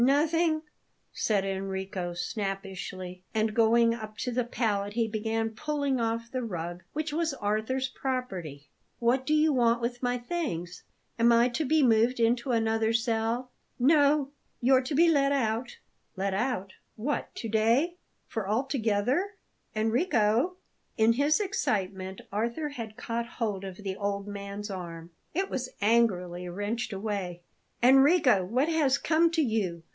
"Nothing," said Enrico snappishly; and, going up to the pallet, he began pulling off the rug, which was Arthur's property. "What do you want with my things? Am I to be moved into another cell?" "No; you're to be let out." "Let out? What to day? For altogether? Enrico!" In his excitement Arthur had caught hold of the old man's arm. It was angrily wrenched away. "Enrico! What has come to you?